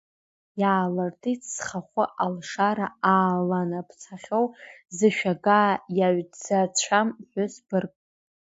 Иаалыртит зхахәы ашлара ааланаԥсахьоу, зышәагаа иаҩцацәам ԥҳәыс быргк.